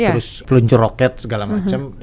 terus peluncur roket segala macam